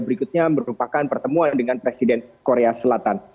berikutnya merupakan pertemuan dengan presiden korea selatan